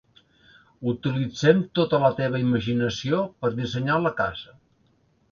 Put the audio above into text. Utilitzem tota la teva imaginació per dissenyar la casa.